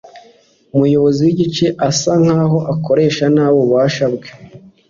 Umuyobozi w'igice asa nkaho akoresha nabi ububasha bwe.